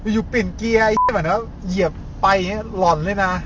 อยู่ปีนเกียร์สิบเหมือนว่าเหยียบไปเนี้ยหล่อนเลยน่ะ